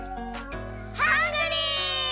ハングリー！